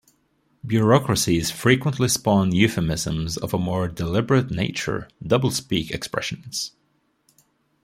Bureaucracies frequently spawn euphemisms of a more deliberate nature, "doublespeak" expressions.